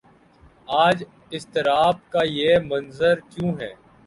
آج اضطراب کا یہ منظر کیوں ہے؟